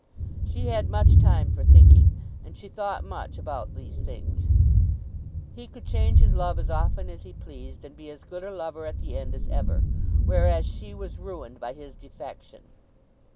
She had much time for thinking, and she thought much about these things. He could change his love as often as he pleased, and be as good a lover at the end as ever; whereas she was ruined by his defection.